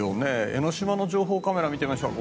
江の島の情報カメラを見てみましょう。